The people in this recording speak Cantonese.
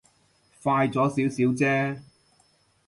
快咗少少啫